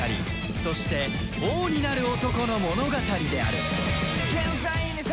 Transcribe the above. そして王になる男の物語である